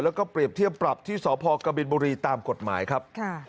แล้วก็เปรียบเทียบปรับที่สพกบินบุรีตามกฎหมายครับ